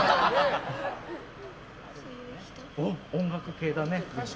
音楽系だね。